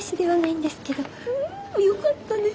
んよかったね。